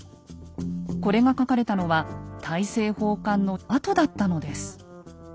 これが書かれたのは大政奉還の後だったのです。